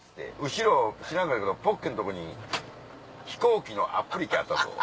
後ろ知らんかったけどポッケのとこに飛行機のアップリケあったぞ。